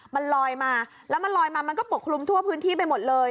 มันลอยมาแล้วมันลอยมามันก็ปกคลุมทั่วพื้นที่ไปหมดเลย